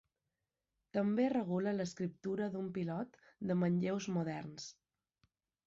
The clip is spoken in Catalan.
També regula l'escriptura d'un pilot de manlleus moderns.